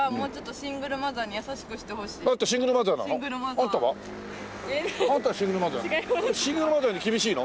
シングルマザーに厳しいの？